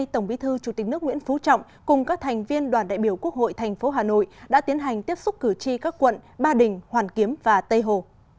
tổng bí thư chủ tịch nước nguyễn phú trọng cùng các thành viên đoàn đại biểu quốc hội thành phố hà nội đã tiến hành tiếp xúc cử tri các quận ba đình hoàn kiếm và tây hồ